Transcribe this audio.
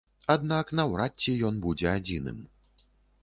Аднак наўрад ці ён будзе адзіным.